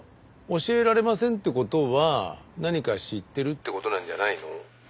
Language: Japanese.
教えられませんって事は何か知ってるって事なんじゃないの？